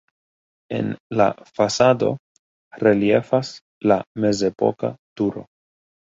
En la fasado reliefas la mezepoka turo.